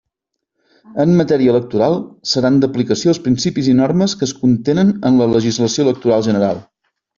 En matèria electoral, seran d'aplicació els principis i normes que es contenen en la legislació electoral general.